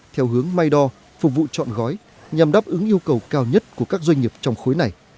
theo hướng may đo phục vụ chọn gói nhằm đáp ứng yêu cầu cao nhất của các doanh nghiệp trong khối này